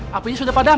kapunya sudah padam